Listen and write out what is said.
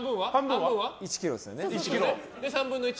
１ｋｇですね。